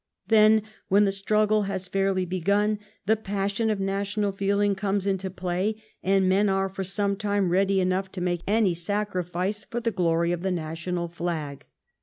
Then, when the struggle has fairly begun, the passion of national feeling comes into play and men are, for the time, ready enough to make any sacrifice for the glory of the national flag.